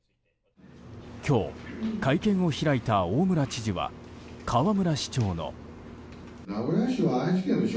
今日、会見を開いた大村知事は、河村市長の。